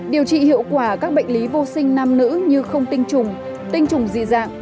điều trị hiệu quả các bệnh lý vô sinh nam nữ như không tinh trùng tinh trùng di dạng